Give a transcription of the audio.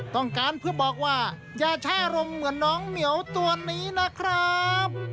ต้องการเพื่อบอกว่าอย่าใช้อารมณ์เหมือนน้องเหมียวตัวนี้นะครับ